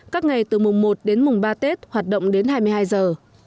các ngày từ mùng một đến mùng ba tết hoạt động đến hai mươi hai giờ